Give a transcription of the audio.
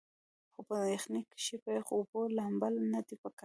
خو پۀ يخنۍ کښې پۀ يخو اوبو لامبل نۀ دي پکار